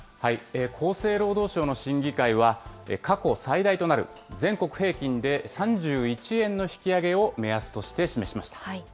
厚生労働省の審議会は、過去最大となる全国平均で３１円の引き上げを目安として示しました。